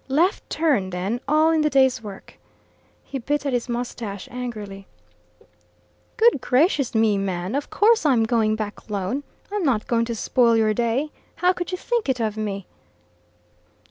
"Left turn, then all in the day's work." He bit at his moustache angrily. "Good gracious me, man! of course I'm going back alone. I'm not going to spoil your day. How could you think it of me?"